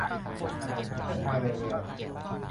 เส้นทางเดินเรือ